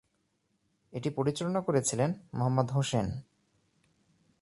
এটি পরিচালনা করেছিলেন মোহাম্মদ হোসেন।